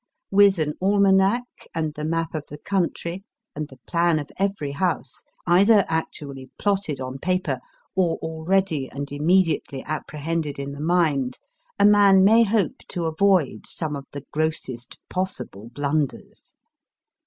With an almanack, and the map of the country, and the plan of every house, either actually plotted on paper or already and immediately apprehended in the mind, a man may hope to avoid some of the grossest possible blunders.